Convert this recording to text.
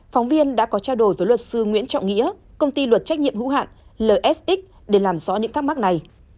phóng viên đã có trao đổi với luật sư nguyễn trọng nghĩa công ty luật trách nhiệm hữu hạn lsx để làm rõ những thắc mắc này